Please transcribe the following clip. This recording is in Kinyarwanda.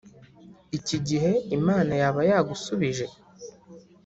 iki gihe imana yaba yagusubije?